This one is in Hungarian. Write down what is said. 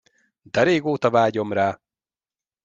De régóta vágyom rá!